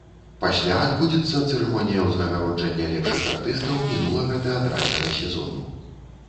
Пасля адбудзецца цырымонія ўзнагароджання лепшых артыстаў мінулага тэатральнага сезону.